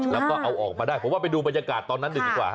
แล้วก็เอาออกมาได้ผมว่าไปดูบรรยากาศตอนนั้นหนึ่งดีกว่า